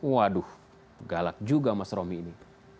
waduh galak juga mas romi ini